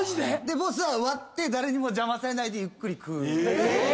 ボスは割って誰にも邪魔されないでゆっくり食う。